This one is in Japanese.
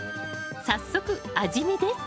早速味見です